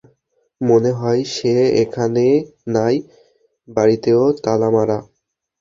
মনে হয় সে এখানে নাই, বাড়িতেও তালা মারা।